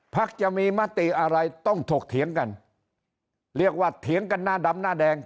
จะมีมติอะไรต้องถกเถียงกันเรียกว่าเถียงกันหน้าดำหน้าแดง